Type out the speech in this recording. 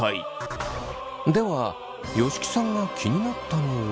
では吉木さんが気になったのは？